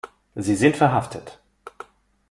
Sie sind verhaftet.